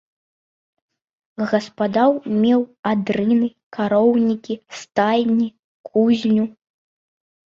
Гаспадар меў адрыны, кароўнікі, стайні, кузню.